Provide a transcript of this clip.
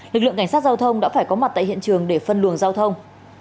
lực lượng cảnh sát giao thông đã phải có mặt tại hiện trường để phân luồng giao thông